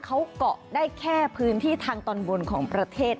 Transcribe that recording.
เขาเกาะได้แค่พื้นที่ทางตอนบนของประเทศ